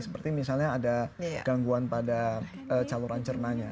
seperti misalnya ada gangguan pada saluran cernanya